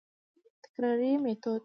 تکراري ميتود: